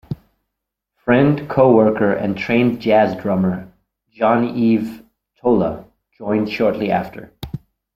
Friend, co-worker and trained jazz drummer Jean-Yves Tola joined shortly after.